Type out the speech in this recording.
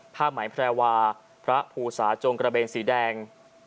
ผ้าไหมแพรวาพระภูสาจงกระเบนสีแดง